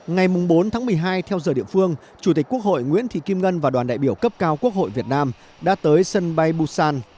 ngày bốn tháng một mươi hai theo giờ địa phương chủ tịch quốc hội nguyễn thị kim ngân và đoàn đại biểu cấp cao quốc hội việt nam đã tới sân bay busan